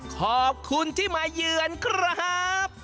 ขอบคุณที่มาเยือนครับ